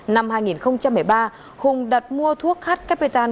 năm hai nghìn một mươi ba hùng đặt mua thuốc h capetan